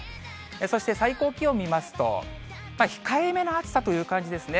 そして最高気温見ますと、控えめな暑さという感じですね。